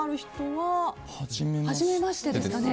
はじめましてですかね。